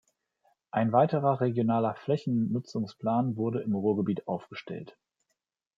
Ein weiterer Regionaler Flächennutzungsplan wurde im Ruhrgebiet aufgestellt.